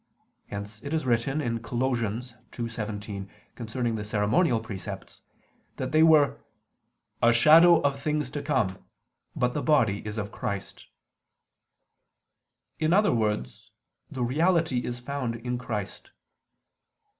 Hence it is written (Col. 2:17) concerning the ceremonial precepts that they were "a shadow of things to come, but the body is of Christ"; in other words, the reality is found in Christ.